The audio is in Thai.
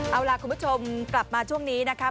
เอาล่ะคุณผู้ชมกลับมาช่วงนี้นะคะ